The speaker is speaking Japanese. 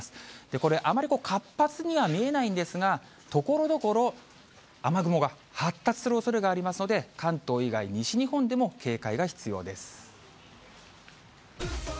これ、あまり活発には見えないんですが、ところどころ、雨雲が発達するおそれがありますので、関東以外、西日本でも警戒が必要です。